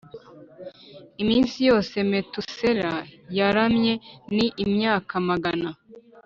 Iminsi yose Metusela yaramye ni imyaka magana